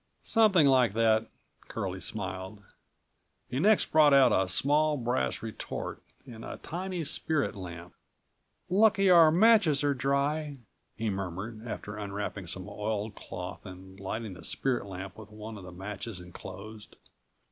"Something like that," Curlie smiled. He next brought out a small brass retort and a tiny spirit lamp. "Lucky our matches are dry," he murmured, after unwrapping some oiled cloth and lighting the spirit lamp with one of the matches inclosed.